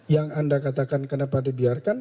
yang anda katakan kenapa dibiarkan